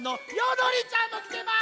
どりちゃんもきてます！